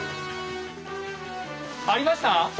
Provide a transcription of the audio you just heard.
ありました？